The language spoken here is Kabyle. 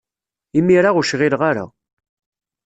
Imir-a ur cɣileɣ ara.